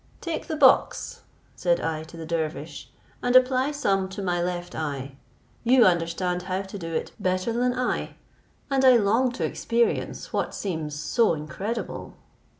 Take the box," said I to the dervish, "and apply some to my left eye. You understand how to do it better than I, and I long to experience what seems so incredible."